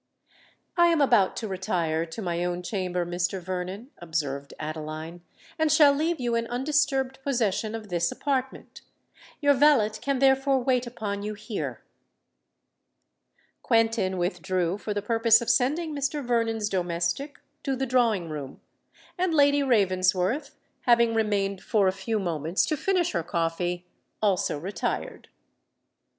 "I am about to retire to my own chamber, Mr. Vernon," observed Adeline, "and shall leave you in undisturbed possession of this apartment. Your valet can therefore wait upon you here." Quentin withdrew for the purpose of sending Mr. Vernon's domestic to the drawing room; and Lady Ravensworth, having remained for a few moments to finish her coffee, also retired.